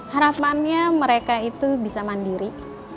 harapannya mereka itu bisa mandiri